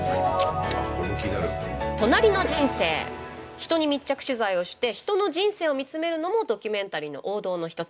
人に密着取材をして人の人生を見つめるのもドキュメンタリーの王道の一つ。